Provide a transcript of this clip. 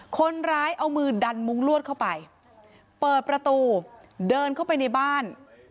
คนร้ายเอามือดันมุ้งลวดเข้าไปเปิดประตูเดินเข้าไปในบ้าน